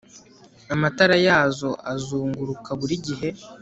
Amatara yazo azunguruka buri gihe